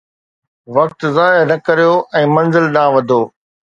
وقت ضايع نه ڪريو ۽ منزل ڏانهن وڌو.